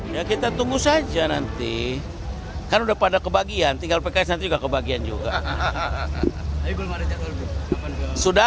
ya kita tunggu saja nanti kan udah pada kebagian tinggal pks nanti juga kebagian juga